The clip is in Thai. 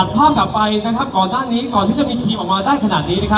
ภาพกลับไปก่อนหน้านี้ก่อนที่จะมีทีมออกมาได้ขนาดนี้